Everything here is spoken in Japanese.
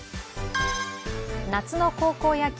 夏の高校野球